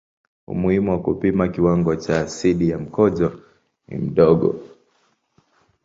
Umuhimu wa kupima kiwango cha asidi ya mkojo ni mdogo.